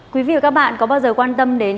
quý vị và các bạn có bao giờ quan tâm đến